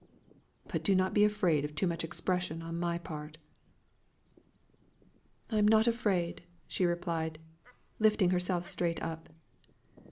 But do not be afraid of too much expression on my part." "I am not afraid," she replied, lifting herself straight up.